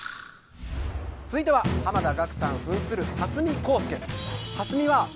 続いては濱田岳さん扮する蓮見光輔。